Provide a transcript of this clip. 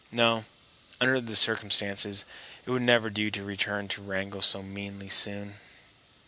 No, under the circumstances, it would never do to return to Wrangell so meanly soon.